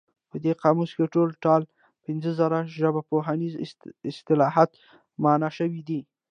په دې قاموس کې ټول ټال پنځه زره ژبپوهنیز اصطلاحات مانا شوي دي.